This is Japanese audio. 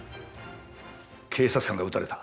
警察官が撃たれた。